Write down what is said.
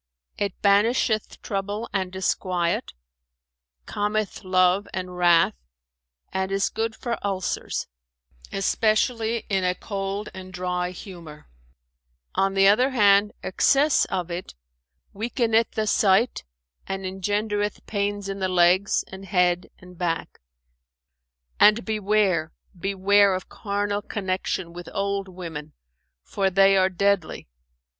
"It banisheth trouble and disquiet, calmeth love and wrath and is good for ulcers, especially in a cold and dry humour; on the other hand excess of it weakeneth the sight and engendereth pains in the legs and head and back: and beware, beware of carnal connection with old women, for they are deadly.